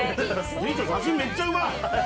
店長、写真めっちゃうまい。